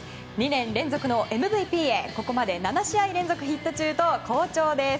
２年連続のＭＶＰへここまで７試合連続ヒット中と好調です。